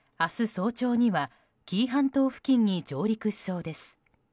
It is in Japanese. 早朝には紀伊半島付近に上陸しそうです。